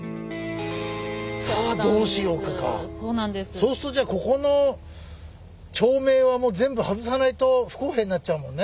そうするとじゃあここの町名はもう全部外さないと不公平になっちゃうもんね。